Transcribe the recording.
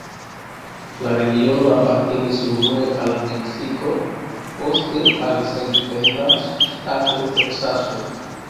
La regiono apartenis unue al Meksiko, poste al sendependa ŝtato Teksaso.